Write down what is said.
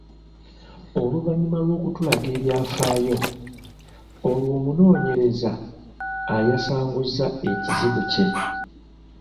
Oluvannyuma lw’okutulaga ebyafaayo, olwo omunoonyereza ayasanguza ekizibu kye.